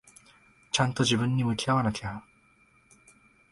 ちゃんと自分に向き合わなきゃ。